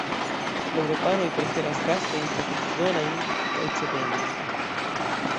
La eŭropanoj preferas gastojn profitdonajn kaj cedemajn.